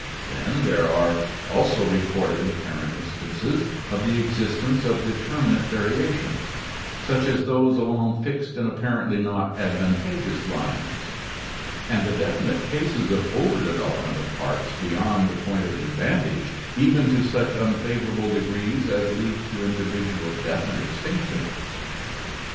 Then there are also recorded ap parent instances of the existence of determinate variation, such as those along fixed and apparently not advantageous lines, and the definite cases of over development of parts beyond the point of advantage even to such unfavorable degrees as lead to individual death and extinction.